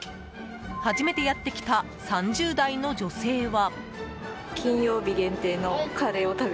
初めてやって来た３０代の女性は。